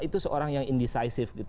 itu seorang yang indecive gitu